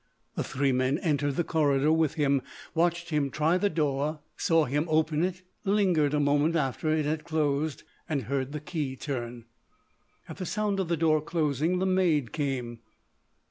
The three men entered the corridor with him; watched him try the door; saw him open it; lingered a moment after it had closed; heard the key turn. At the sound of the door closing the maid came.